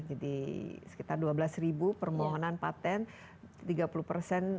jadi sekitar dua belas permohonan patent